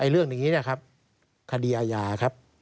เรื่องอย่างนี้นะครับคดีอาญาครับ